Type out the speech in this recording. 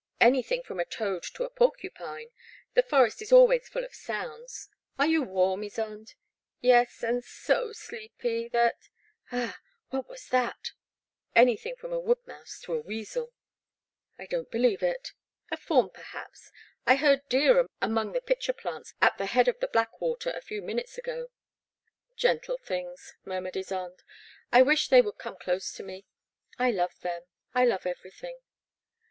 Anything from a toad to a porcupine ; the forest is always full of sounds. Are you warm, Ysonde?" Yes, — and so deepy that — ah ! what was that?" Anjrthing from a wood mouse to a weasel," I The Black Water. 185 I donH believe it/' A fawn, perhaps — I heard deer among the pitcher plants at the head of the Black Water a few minutes ago.'* Gentle things," murmured Ysonde, '* I wish they would come close to me; I love them — I love everything."